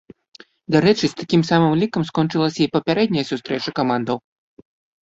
Дарэчы, з такім самым лікам скончылася і папярэдняя сустрэча камандаў.